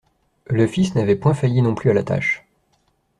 Le fils n'avait point failli non plus à la tâche.